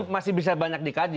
masih bisa banyak dikaji